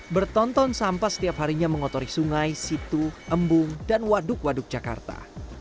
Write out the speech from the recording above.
bertonton sampah setiap harinya mengotori sungai situ embung dan waduk waduk jakarta